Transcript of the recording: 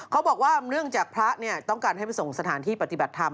เขาบอกว่าเนื่องจากพระต้องการให้ไปส่งสถานที่ปฏิบัติธรรม